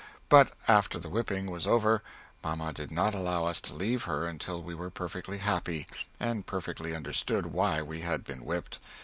But after the whipping was over, mamma did not allow us to leave her until we were perfectly happy, and perfectly understood why we had been whipped.